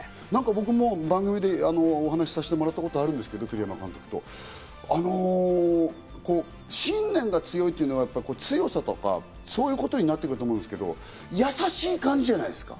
僕も番組でお話をさせてもらったことがあるんですけど栗山監督と。信念が強いというのは、強さとかそういうことになってくると思うんですけど、やさしい感じじゃないですか。